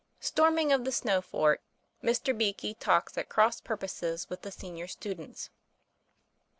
STORMING OF THE SNOW FORT. MR. BE A KEY TALKS AT CROSS PURPOSES WITH THE SENIOR STUDENTS.